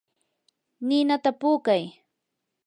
ninata puukay.